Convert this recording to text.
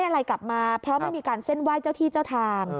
เพราะไม่มีการเส้นไหว้เจ้าที่เจ้าทาง